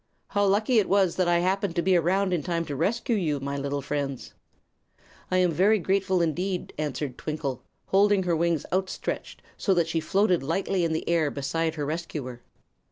How lucky it was that I happened to be around in time to rescue you, my little friends." "I am very grateful, indeed," answered Twinkle, holding her wings outstretched so that she floated lightly in the air beside her rescuer.